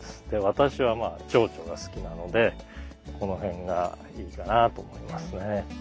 私はチョウチョが好きなのでこの辺がいいかなと思いますね。